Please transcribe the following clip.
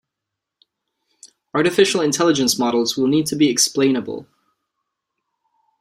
Artificial Intelligence models will need to be explainable.